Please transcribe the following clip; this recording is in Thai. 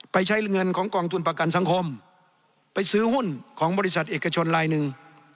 ใช้เงินของกองทุนประกันสังคมไปซื้อหุ้นของบริษัทเอกชนลายหนึ่ง